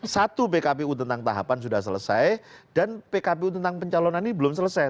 satu pkpu tentang tahapan sudah selesai dan pkpu tentang pencalonan ini belum selesai